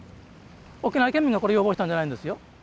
沖縄県民がこれ要望したんじゃないんですよ。